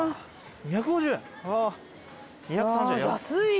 ２５０円。